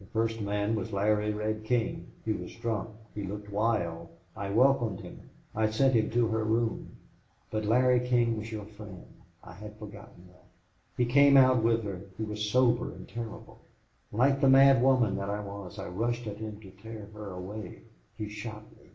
The first man was Larry Red King. He was drunk. He looked wild. I welcomed him. I sent him to her room. But Larry King was your friend. I had forgotten that. He came out with her. He was sober and terrible. Like the mad woman that I was I rushed at him to tear her away. He shot me.